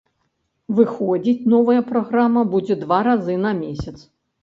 Выходзіць новая праграма будзе два разы на месяц.